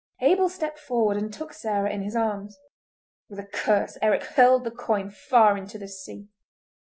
Abel stepped forward and took Sarah in his arms. With a curse Eric hurled the coin far into the sea.